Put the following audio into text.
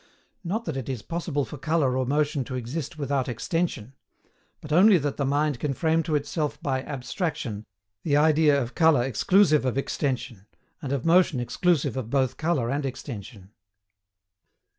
Not that it is possible for colour or motion to exist without extension; but only that the mind can frame to itself by ABSTRACTION the idea of colour exclusive of extension, and of motion exclusive of both colour and extension.